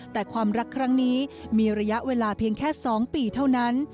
แต่ความรักครั้งนี้มีระยะเวลาเพียงแค่๒ปีเท่านั้น